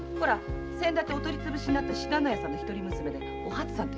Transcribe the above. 先だってお取り潰しになった信濃屋の一人娘・お初さん。